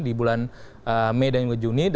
di bulan mei dan juga juni